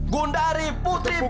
gundari putri petir